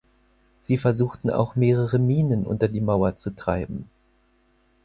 Sie versuchten auch mehrere Minen unter die Mauer zu treiben.